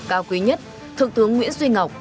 cao quý nhất thượng thướng nguyễn duy ngọc